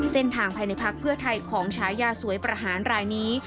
เส้นทางไปในพักเพื่อไทยของชายาสวยประหารรายนี้